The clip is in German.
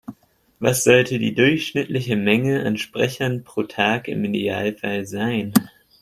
Was sollte die durchschnittliche Menge an Sprechern pro Tag im Idealfall sein?